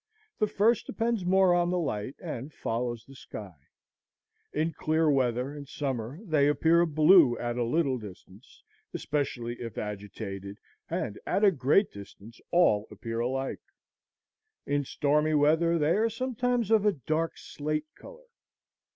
The first depends more on the light, and follows the sky. In clear weather, in summer, they appear blue at a little distance, especially if agitated, and at a great distance all appear alike. In stormy weather they are sometimes of a dark slate color.